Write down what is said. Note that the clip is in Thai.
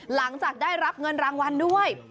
หลังจากได้รับเงินรางวัลด้วย